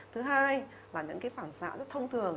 thứ hai là những phản xạ rất thông thường